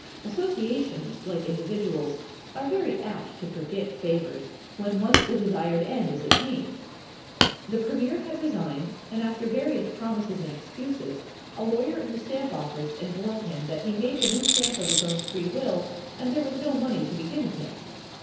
Associations, like individuals, are very apt to forget favors, when once the desired end is attained. The Premier had resigned; and, after various promises and excuses, a lawyer in the Stamp Office informed him that he made the new stamp of his own free will, and there was no money to be given him.